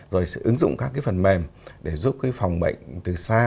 rồi sẽ ứng dụng các cái phần mềm để giúp cái phòng bệnh từ xa